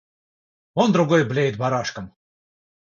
Вон другой блеет барашком.